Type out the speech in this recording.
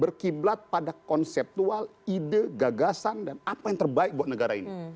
berkiblat pada konseptual ide gagasan dan apa yang terbaik buat negara ini